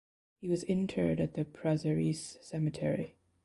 He was interred at the Prazeres Cemetery.